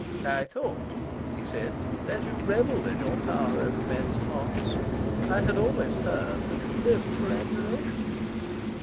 "I thought," he said, "that you revelled in your power over men's hearts. I had always heard that you lived for admiration."